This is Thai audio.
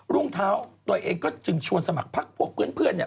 รุ่งเท้าตัวเองก็จึงชวนสมัครพักพวกเพื่อนเนี่ย